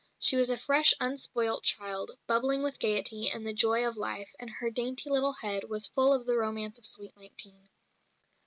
She was a fresh, unspoilt child, bubbling with gaiety and the joy of life, and her dainty little head was full of the romance of sweet nineteen.